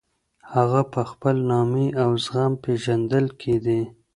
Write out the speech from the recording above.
هغه په خپل نامې او زغم پېژندل کېدی.